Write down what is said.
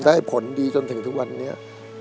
ได้ผลดีจนถึงทุกวันนี้